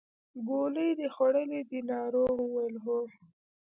ګولۍ دې خوړلې دي ناروغ وویل هو.